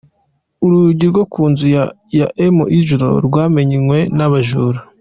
Urugi rwo ku nzu ya M Izzo rwamenywe n'abajura.